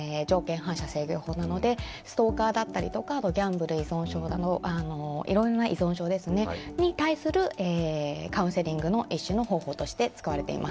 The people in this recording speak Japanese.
反射制御法なので、ストーカーだったり、ギャンブル依存症だとか、いろんな依存症に対するカウンセリングの一種の方法として使われています